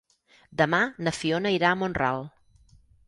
Demà na Fiona irà a Mont-ral.